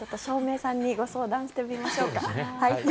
照明さんにご相談してみましょうか。